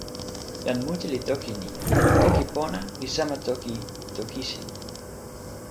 jan mute li toki e ni: toki pona li sama toki Tokisin.